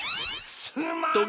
すまん！